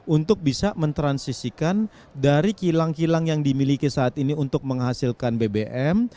untuk bisa mentransisikan dari kilang kilang yang dimiliki saat ini untuk menghasilkan bbm